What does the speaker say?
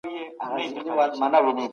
هغه مهال يې د الله په دربار کي عاجزي کوله.